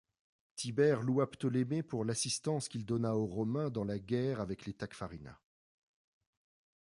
Tibère loua Ptolémée pour l'assistance qu'il donna aux Romains dans la guerre avec Tacfarinas.